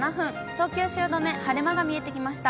東京・汐留、晴れ間が見えてきました。